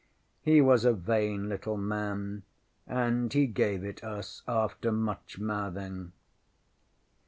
ŌĆØ He was a vain little man, and he gave it us after much mouthing.